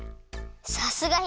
さすが姫！